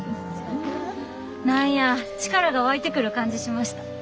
何や力が湧いてくる感じしました。